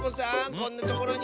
こんなところに！